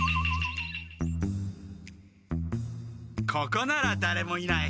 ここならだれもいない。